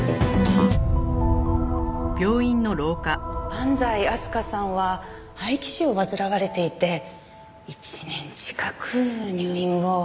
安西明日香さんは肺気腫を患われていて１年近く入院を。